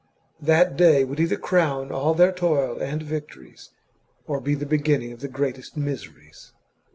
That day would either crown all their toil and victories, or be the beginning of the greatest miseries